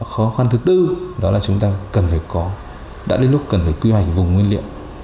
khó khăn thứ tư đó là chúng ta cần phải có đã đến lúc cần phải quy hoạch vùng nguyên liệu